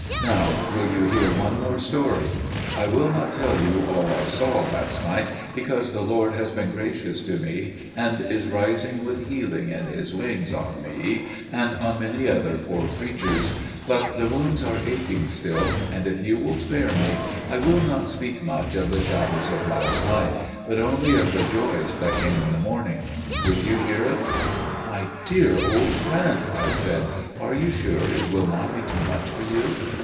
Now will you hear one more story? I will not tell you all I saw last night, because the Lord has been gracious to me, and is rising with healing in His wings on me and on many other poor creatures. But the wounds are aching still, and if you will spare me, I will not speak much of the shadows of last night, but only of the joys that came in the morning. Will you hear it?" "My dear old friend," I said, "are you sure it will not be too much for you?"